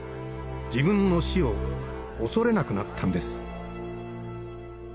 自分の「死」を恐れなくなったんです。